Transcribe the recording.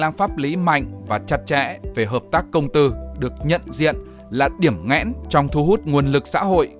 hành lang pháp lý mạnh và chặt chẽ về hợp tác công tư được nhận diện là điểm ngẽn trong thu hút nguồn lực xã hội